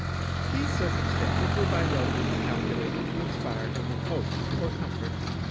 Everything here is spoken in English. These circumstances were by no means calculated to inspire him with hope or comfort.